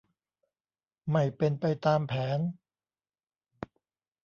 ไม่เป็นไปตามแผน